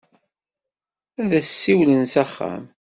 Ad as-siwlen s axxam.